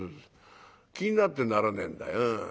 「気になってならねえんだ。